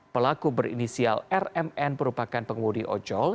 pelaku berinisial rmn merupakan pengemudi ojol